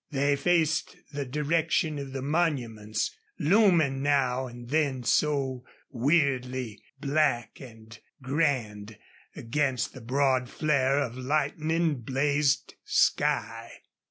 They faced the direction of the monuments, looming now and then so weirdly black and grand against the broad flare of lightning blazed sky.